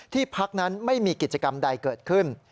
พักนั้นไม่มีกิจกรรมใดเกิดขึ้น